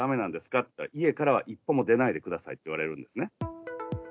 って言ったら、家からは一歩も出ないでくださいって言われるんですね。